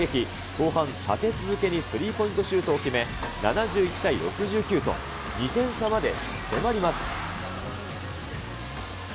後半立て続けにスリーポイントシュートを決め、７１対６９と、２点差まで詰め寄ります。